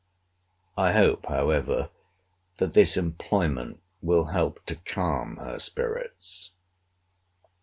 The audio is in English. I hope, however, that this employment will help to calm her spirits.